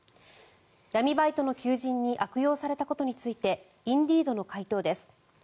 闇バイトの求人に悪用されたことについてＩｎｄｅｅｄの回答です。